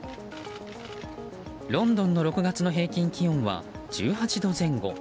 ロンドンの６月の平均気温は１８度前後。